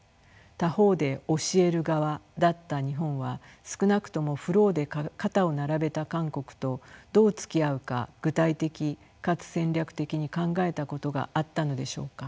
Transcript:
他方で教える側だった日本は少なくともフローで肩を並べた韓国とどうつきあうか具体的かつ戦略的に考えたことがあったのでしょうか。